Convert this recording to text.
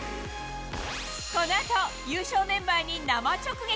このあと、優勝メンバーに生直撃。